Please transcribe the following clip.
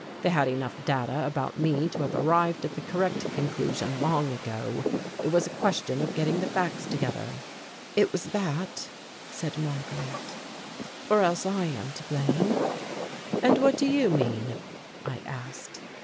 They had enough data about me to have arrived at the correct conclusion long ago. It was a question of getting the facts together." "It was that," said Marguerite, "or else I am to blame." "And what do you mean?" I asked.